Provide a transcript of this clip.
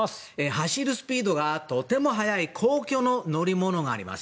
走るスピードがとても速い公共の乗り物があります。